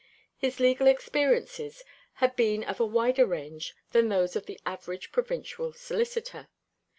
His legal experiences had been of a wider range than those of the average provincial solicitor.